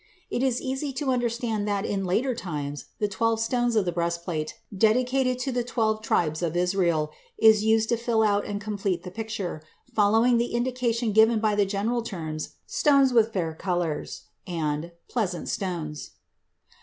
It is easy to understand that in later times the twelve stones of the breastplate, dedicated to the twelve tribes of Israel, were used to fill out and complete the picture, following the indication given by the general terms "stones with fair colours" and "pleasant stones."